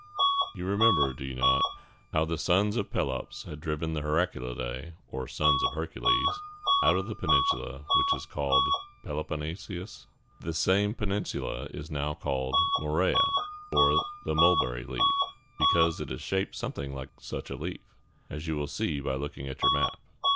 You remember, do you not, how the sons of Pelops had driven the Heraclidæ, or sons of Hercules, out of the peninsula which was called the Peloponnesus? This same peninsula is now called Mo re´a, or the mulberry leaf, because it is shaped something like such a leaf, as you will see by looking at your map.